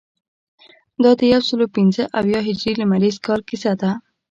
دا د یوسلو پنځه اویا هجري لمریز کال کیسه ده.